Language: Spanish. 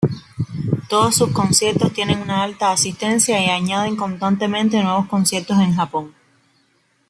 Todos sus conciertos tienen una alta asistencia y añaden constantemente nuevos conciertos en Japón.